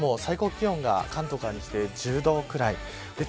そのあとも最高気温が関東から西で１０度ぐらい。